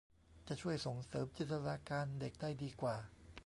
จะช่วยส่งเสริมจินตนาการเด็กได้ดีกว่า